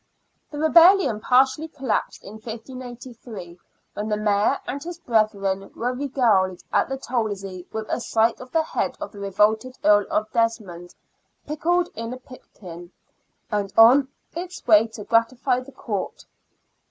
The rebellion partially collapsed in 1583, when the Mayor and his brethren were regaled at the Tolzey with a sight of the head of the revolted Earl of Desmond, " pickled in a pipkin," and on its way to gratify the Court.